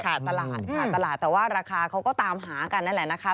ตลาดค่ะตลาดแต่ว่าราคาเขาก็ตามหากันนั่นแหละนะคะ